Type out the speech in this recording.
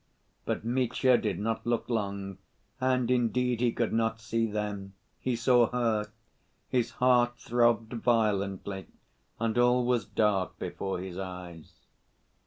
But Mitya did not look long, and, indeed, he could not see them, he saw her, his heart throbbed violently, and all was dark before his eyes.